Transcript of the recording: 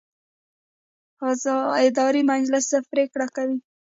اداري مجلس څه پریکړې کوي؟